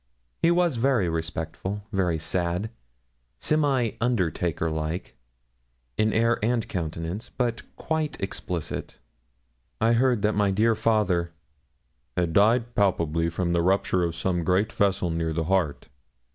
He was very respectful, very sad, semi undertakerlike, in air and countenance, but quite explicit. I heard that my dear father 'had died palpably from the rupture of some great vessel near the heart.'